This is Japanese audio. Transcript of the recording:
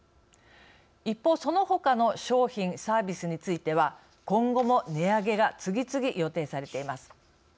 一方、そのほかの商品・サービスについては今後も値上げが次々、予定されています。